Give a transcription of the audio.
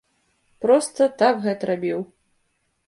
Проста так гэта рабіў.